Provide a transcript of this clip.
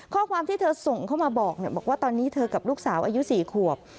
ข้อความที่เธอส่งเข้ามาบอกบอกว่าตอนนี้เธอกับลูกสาวอายุ๔ขวบ